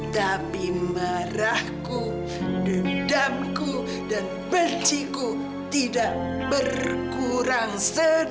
tapi marahku dendamku dan benciku tidak berkurang sedikitpun